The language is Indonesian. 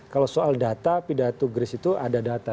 kalau soal data pidato gris itu ada data